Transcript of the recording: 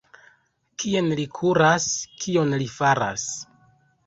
Kien li kuras? Kion li faras?